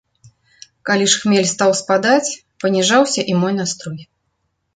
Калі ж хмель стаў спадаць, паніжаўся і мой настрой.